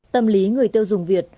tâm lý người tiêu dùng việt